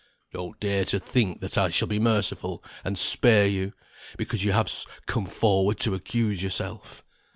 "Don't dare to think that I shall be merciful, and spare you, because you have come forward to accuse yourself.